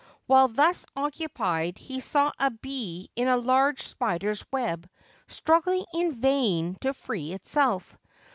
While thus occupied he saw a bee in a large spider's web struggling in vain to free itself.